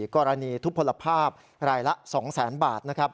๔กรณีทุพพลภาพรายละ๒๐๐๐๐๐บาท